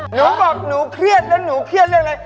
หนูบอกหนูเครียดแล้วหนูเครียดเรื่องอะไร